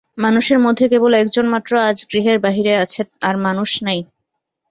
মানুষের মধ্যে কেবল একজন মাত্র আজ গৃহের বাহিরে আছে–আর মানুষ নাই।